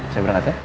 siap berangkat ya